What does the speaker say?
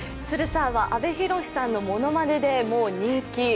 都留さんは阿部寛さんのものまねで人気。